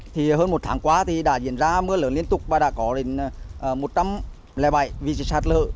tình hình mưa lớn liên tục và đã có đến một trăm linh bảy vị trí sạt lỡ